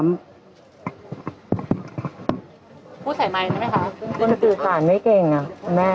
พูดใส่ไม้ได้ไหมคะคุณสื่อสารไม่เก่งอ่ะคุณแม่